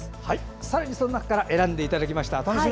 さらにその中から選んでいただきました。